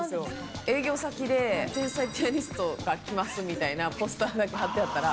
営業先で、天才ピアニストが来ますみたいなポスターだけ貼ってあったら。